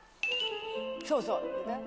そうそう。